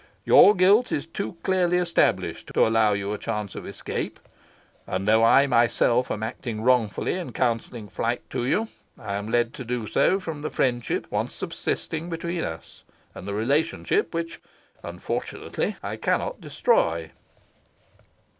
Your guilt is too clearly established to allow you a chance of escape, and, though I myself am acting wrongfully in counselling flight to you, I am led to do so from the friendship once subsisting between us, and the relationship which, unfortunately, I cannot destroy."